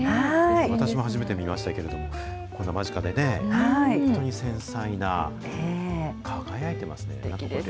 私も初めて見ましたけど、こんな間近でね、本当に繊細な、輝いてますね。